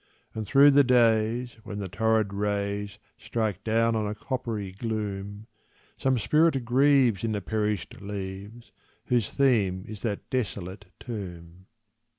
And through the days when the torrid rays Strike down on a coppery gloom, Some spirit grieves in the perished leaves, Whose theme is that desolate tomb.